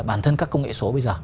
bản thân các công nghệ số bây giờ